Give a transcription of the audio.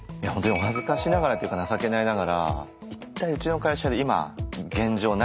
本当にお恥ずかしながらっていうか情けないながら一体うちの会社で今現状